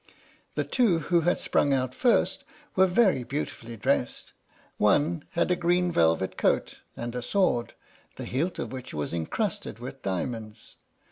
The two who had sprung out first were very beautifully dressed. One had a green velvet coat, and a sword, the hilt of which was incrusted with diamonds.